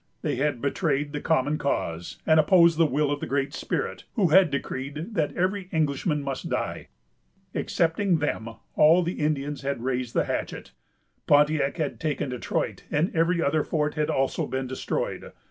They had betrayed the common cause, and opposed the will of the Great Spirit, who had decreed that every Englishman must die. Excepting them, all the Indians had raised the hatchet. Pontiac had taken Detroit, and every other fort had also been destroyed.